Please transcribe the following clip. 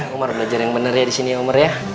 umar belajar yang bener ya disini ya umar ya